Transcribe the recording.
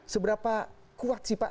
seberapa kuat sih pak